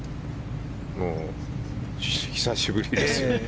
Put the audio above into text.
もう久しぶりですよね。